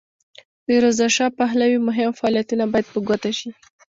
د رضاشاه پهلوي مهم فعالیتونه باید په ګوته شي.